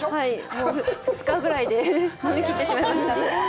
もう２日ぐらいで飲みきってしまいました。